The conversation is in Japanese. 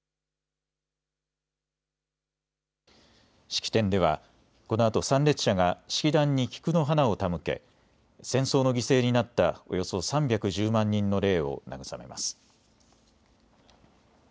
式典では、このあと参列者が式壇に菊の花を手向け戦争の犠牲になったおよそ３１０万人の霊を慰めます。